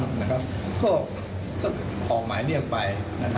ทางจนก็ทำข้อหมายเรียกไป